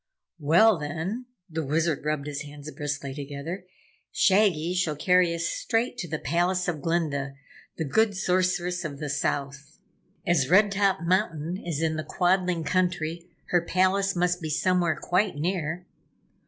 "Well then," the Wizard rubbed his hands briskly together, "Shaggy shall carry us straight to the Palace of Glinda, the Good Sorceress of the South. As Red Top Mountain is in the Quadling Country, her palace must be somewhere quite near."